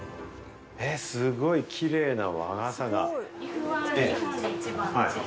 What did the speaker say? すごいキレイな和傘が。